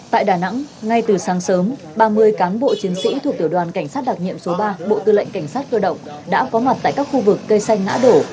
tại đà nẵng ngay từ sáng sớm ba mươi cán bộ chiến sĩ thuộc tiểu đoàn cảnh sát đặc nhiệm số ba bộ tư lệnh cảnh sát cơ động đã có mặt tại các khu vực cây xanh ngã đổ